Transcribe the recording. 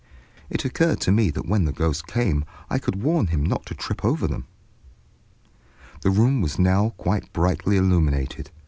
It occurred to me that when the ghost came I could warn him not to trip over them. The room was now quite brightly illuminated.